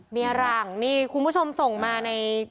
หลังนี่คุณผู้ชมส่งมาใน